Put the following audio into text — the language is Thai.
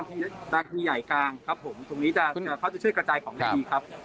ที่วัดบางธีใหญ่กลางครับครับจะเชื่อกระจายของได้ดีครับ